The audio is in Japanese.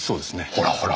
ほらほら。